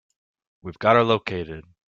We've got her located.